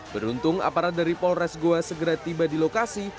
beruntung aparat dari polres goa segera tiba di lokasi